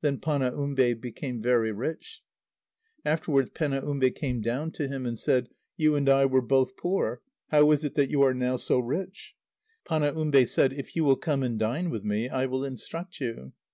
Then Panaumbe became very rich. Afterwards Penaumbe came down to him, and said: "You and I were both poor. How is it that you are now so rich?" Panaumbe said: "If you will come and dine with me, I will instruct you."